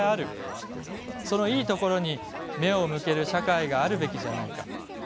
そのいいところに目を向ける社会があるべきじゃないか。